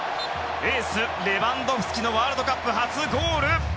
エース、レバンドフスキのワールドカップ初ゴール！